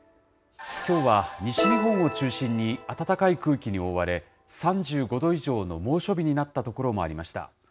きょうは西日本を中心に暖かい空気に覆われ、３５度以上の猛暑日になった所もありました。